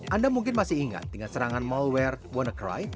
anda mungkin masih ingat dengan serangan malware wannacry